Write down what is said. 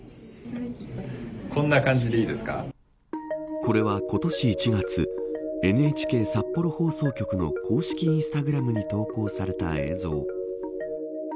これは今年１月ＮＨＫ札幌放送局の公式インスタグラムに投稿された映像。